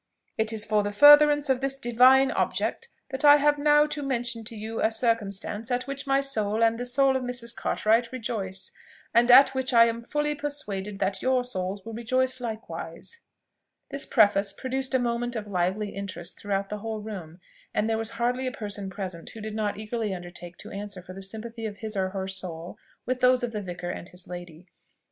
It is for the furtherance of this divine object that I have now to mention to you a circumstance at which my soul and the soul of Mrs. Cartwright rejoice, and at which I am fully persuaded that your souls will rejoice likewise." This preface produced a movement of lively interest throughout the whole room, and there was hardly a person present who did not eagerly undertake to answer for the sympathy of his or her soul with those of the vicar and his lady.